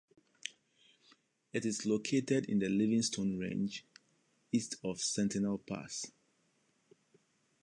It is located in the Livingstone Range, east of "Sentinel Pass".